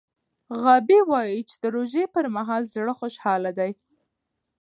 غابي وايي چې د روژې پر مهال زړه خوشحاله دی.